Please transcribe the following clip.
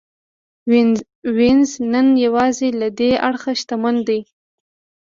وینز نن یوازې له دې اړخه شتمن دی